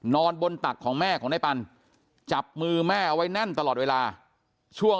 นอนบนตักของแม่ของนายปันจับมือแม่เอาไว้แน่นตลอดเวลาช่วง